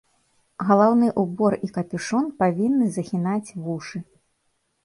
Галаўны ўбор і капюшон павінны захінаць вушы.